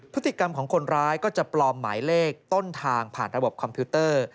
พฤติกรรมของคนร้ายก็จะปลอมหมายเลขต้นทางผ่านระบบคอมพิวเตอร์